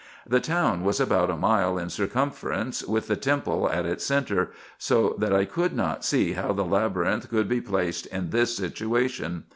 The town was about a mile in circumference, with the temple in its centre, so that I could not see how the Labyrinth could be placed in this situation.